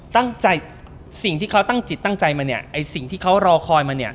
สิ่งที่เขาตั้งจิตตั้งใจมาเนี่ยไอ้สิ่งที่เขารอคอยมาเนี่ย